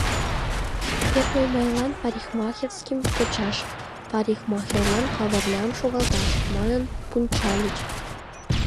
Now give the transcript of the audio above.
«Первый майлан парикмахерскийым почаш, парикмахерлан Кавырлям шогалташ» манын пунчальыч.